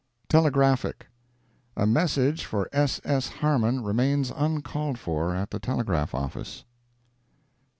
TELEGRAPHIC.—A message for S. S. Harman remains uncalled for at the Telegraph office.